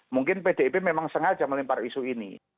mungkin pdip memang sengaja melempar isu ini